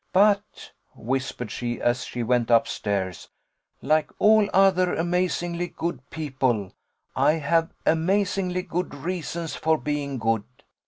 But," whispered she, as she went up stairs, "like all other amazingly good people, I have amazingly good reasons for being good.